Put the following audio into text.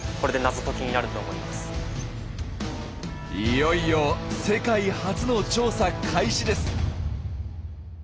いよいよ世界初の調査開始です。